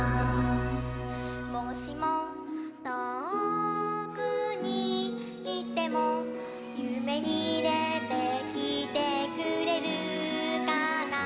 「もしもとおくにいってもゆめにでてきてくれるかな？」